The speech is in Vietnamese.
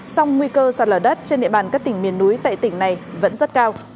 song nguy cơ sạt lở đất trên địa bàn các tỉnh miền núi tại tỉnh này vẫn rất cao